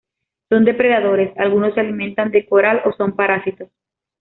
Son depredadores, algunos se alimentan de coral o son parásitos.